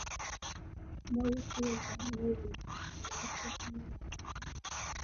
ما ورته وویل: بهانه یې ولټول، زما رخصتي یې لغوه کړه.